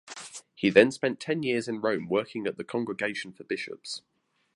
He then spent ten years in Rome working at the Congregation for Bishops.